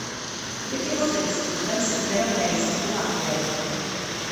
კრიტიკოსების მხრიდან სიმღერამ დაიმსახურა აღიარება.